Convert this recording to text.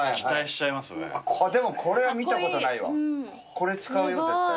これ使うよ絶対。